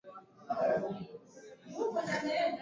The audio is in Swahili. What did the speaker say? Binadamu hushambuliwa na ugonjwa wa kichaa cha mbwa